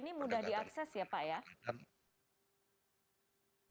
ini bisa diakses ya pak